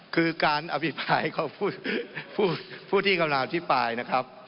คือการอธิบายเขาผู้ที่กำลังอธิบายนะครับ